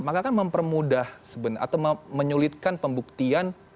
maka kan mempermudah atau menyulitkan pembuktian